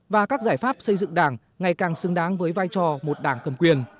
và các giải pháp xây dựng đảng ngày càng xứng đáng với vai trò một đảng cầm quyền